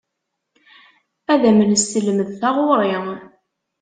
Ad am-nesselmed taɣuri.